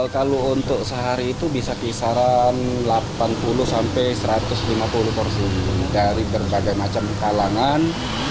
kalau untuk sehari itu bisa kisaran delapan puluh sampai satu ratus lima puluh porsi dari berbagai macam kalangan